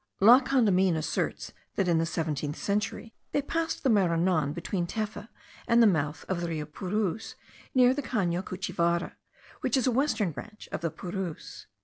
La Condamine asserts that in the seventeenth century they passed the Maranon between Tefe and the mouth of the Rio Puruz, near the Cano Cuchivara, which is a western branch of the Puruz.